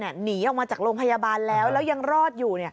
หนีออกมาจากโรงพยาบาลแล้วแล้วยังรอดอยู่